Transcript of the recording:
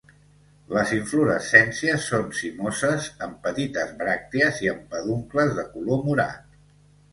Les inflorescències són cimoses amb petites bràctees i amb peduncles de color morat.